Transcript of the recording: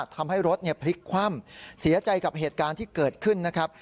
ทำให้รถพลิกคว่ำเสียใจกับเหตุการณ์ที่เกิดขึ้นนะครับ